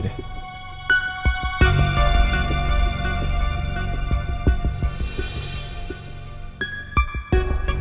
tidak ada komen